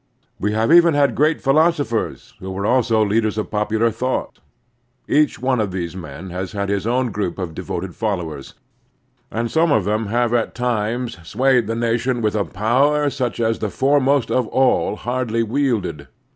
We have even had great philosophers who were also leaders of popular thought. Each one of these men has had his own group of devoted followers, and some of them have at times swayed the nation with a power such as the foremost of all hardly wielded.